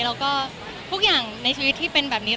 แล้วก็ทุกอย่างในชีวิตที่เป็นแบบนี้